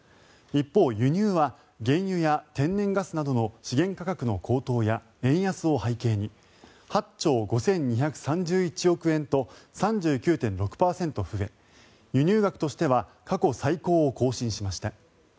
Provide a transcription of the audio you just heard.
一方、輸入は原油や天然ガスなどの資源価格の高騰や円安を背景に８兆５２３１億円と３９．６％増え輸入額としては過去最高を更新しました。